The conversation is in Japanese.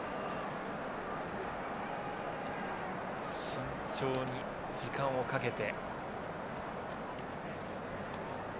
慎重に時間をかけて。